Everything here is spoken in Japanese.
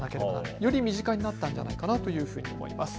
より身近になったんじゃないかなと思います。